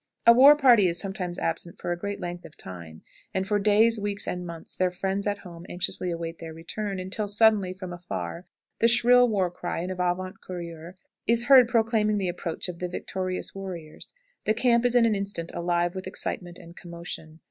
A war party is sometimes absent for a great length of time, and for days, weeks, and months their friends at home anxiously await their return, until, suddenly, from afar, the shrill war cry of an avant courier is heard proclaiming the approach of the victorious warriors. The camp is in an instant alive with excitement and commotion.